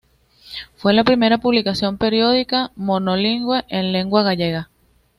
Fue la primera publicación periódica monolingüe en lengua gallega.